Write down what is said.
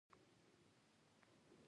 د اسانتيا له لارې دوه اړخیزه سوداګري